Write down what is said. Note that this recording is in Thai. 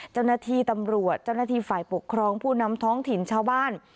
เจ้าหน้าที่ตำรวจเจ้าหน้าที่ฝ่ายปกครองผู้นำท้องถิ่นชาวบ้าน